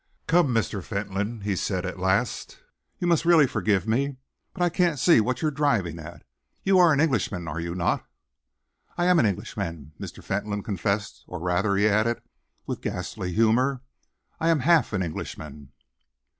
"Come, Mr. Fentolin," he said at last, "you must really forgive me, but I can't see what you're driving at. You are an Englishman, are you not?" "I am an Englishman," Mr. Fentolin confessed "or rather," he added, with ghastly humour, "I am half an Englishman."